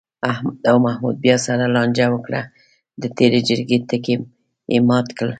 احمد او محمود بیا سره لانجه وکړه، د تېرې جرگې ټکی یې مات کړ.